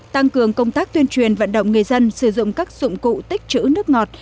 tăng cường công tác tuyên truyền vận động người dân sử dụng các dụng cụ tích chữ nước ngọt